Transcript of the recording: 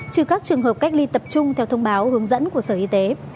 trừ các trường hợp cách ly tập trung theo thông báo hướng dẫn của sở y tế